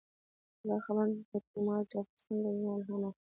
دا خبره د توماس جفرسن له وینا الهام اخلي.